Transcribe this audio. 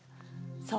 そう。